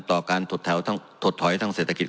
ต่อการถดถอยทางเศรษฐกิจ